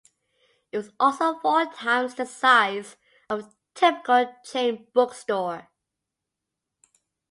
It was also four times the size of the typical chain bookstore.